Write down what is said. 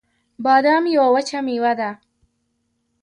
بادام یوه وچه مېوه ده